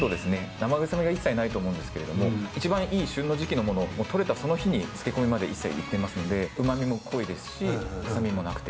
生臭みがいっさいないと思うんですけれどもいちばんいい旬の時期のものを獲れたその日に漬け込みまでいっていますので旨味も濃いですし臭みもなくて。